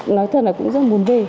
nói thật là cũng rất muốn về